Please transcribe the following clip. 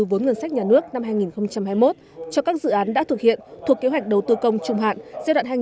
vốn ngân sách nhà nước năm hai nghìn hai mươi một cho các dự án đã thực hiện thuộc kế hoạch đầu tư công trung hạn